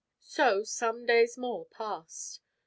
So, some days more passed.